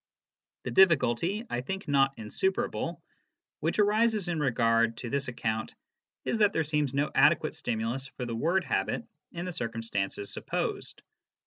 '" The difficulty I think not insuperable which arises in regard to this account is that there seems no adequate stimulus for the word habit in the circumstances supposed.